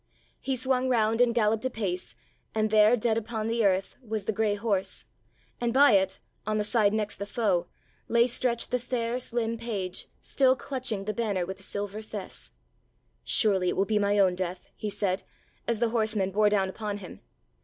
He swung round and galloped apace, and there, dead upon the earth, was the grey horse, and by it, on the side next the foe, lay stretched the fair slim page still clutching the banner with the silver fesse. "Surely it will be my own death," he said, as the horsemen bore down upon him.